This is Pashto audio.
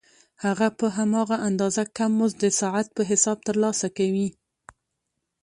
هغه په هماغه اندازه کم مزد د ساعت په حساب ترلاسه کوي